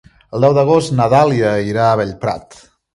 El deu d'agost na Dàlia irà a Bellprat.